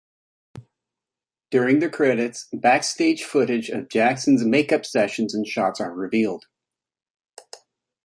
During the credits, backstage footage of Jackson's make-up sessions and shots are revealed.